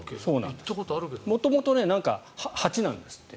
元々、８なんですって。